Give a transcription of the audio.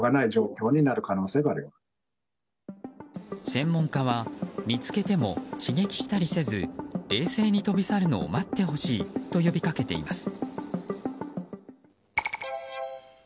専門家は見つけても刺激したりせず冷静に飛び去るのを待ってほしいと呼びかけています。